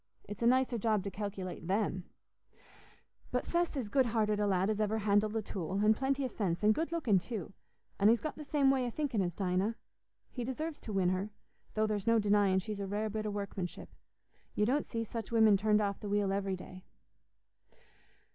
It's a nicer job to calculate them. But Seth's as good hearted a lad as ever handled a tool, and plenty o' sense, and good looking too; and he's got the same way o' thinking as Dinah. He deserves to win her, though there's no denying she's a rare bit o' workmanship. You don't see such women turned off the wheel every day."